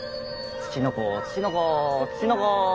ツチノコツチノコ。